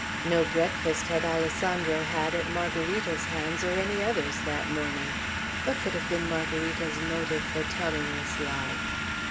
No breakfast had Alessandro had at Margarita's hands, or any other's, that morning. What could have been Margarita's motive for telling this lie?